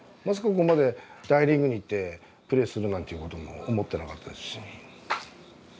まさかここまで大リーグに行ってプレーするなんていうことも思ってなかったですし。